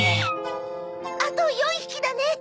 あと４匹だね！